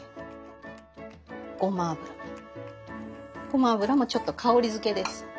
ごま油ごま油もちょっと香りづけです。